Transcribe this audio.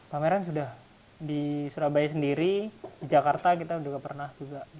pameran sudah di surabaya sendiri di jakarta kita sudah pernah juga